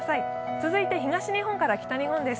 続いて東日本から北日本です。